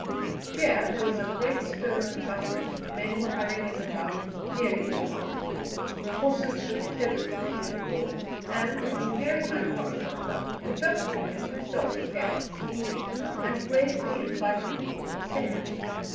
Here there was a great stir and bustle; men were hurrying in and out, nearly all armed; horses were tethered before the door; and, on hearing my cart drive up, the Veldtcornet himself came out to meet me, and gravely invited me to descend.